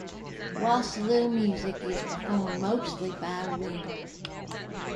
Wassoulou music is performed mostly by women.